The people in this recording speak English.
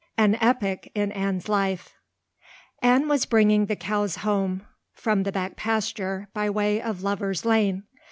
An Epoch in Anne's Life ANNE was bringing the cows home from the back pasture by way of Lover's Lane.